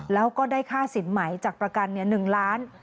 แล้วก็ได้ค่าสินไหมจากประกัน๑ล้าน